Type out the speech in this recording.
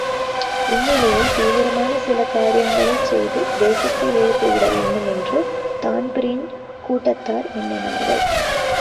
இந்நிலையில் தீவிரமான சில காரியங்களைச் செய்து தேசத்தை எழுப்பிவிட வேண்டுமென்று தான்பிரீன் கூட்டத்தார் எண்ணினார்கள்.